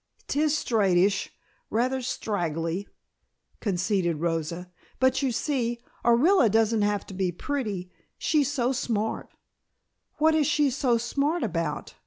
"'Tis straightish, rather straggily," conceded Rosa. "But, you see, Orilla doesn't have to be pretty, she's so smart." "What is she so smart about?"